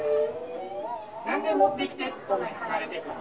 なんで持ってきてって言ってんのに離れてくの？